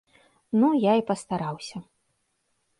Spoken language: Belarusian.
Ну я і пастараўся.